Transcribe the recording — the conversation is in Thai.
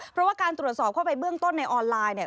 เพราะว่าการตรวจสอบเข้าไปเบื้องต้นในออนไลน์เนี่ย